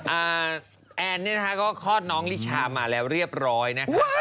แอนเนี่ยนะคะก็คลอดน้องลิชามาแล้วเรียบร้อยนะคะ